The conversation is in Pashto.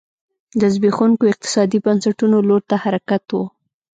د زبېښونکو اقتصادي بنسټونو لور ته حرکت و